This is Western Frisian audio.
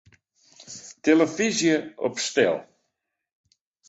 Tillefyzje op stil.